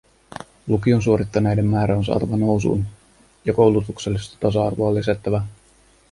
Lukion suorittaneiden määrä on saatava nousuun ja koulutuksellista tasa-arvoa lisättävä.